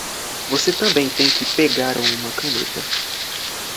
Você também tem que pegar uma caneta.